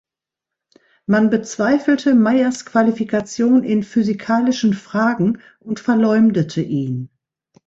Man bezweifelte Mayers Qualifikation in physikalischen Fragen und verleumdete ihn.